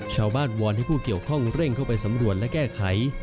วอนให้ผู้เกี่ยวข้องเร่งเข้าไปสำรวจและแก้ไข